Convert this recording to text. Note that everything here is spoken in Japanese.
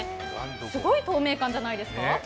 すごい透明感じゃないですか？